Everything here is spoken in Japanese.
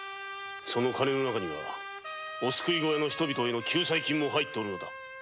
その金にはお救い小屋の人々への救済金も入っておる。